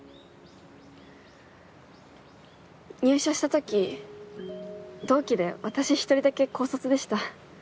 入社した時同期で私１人だけ高卒でした。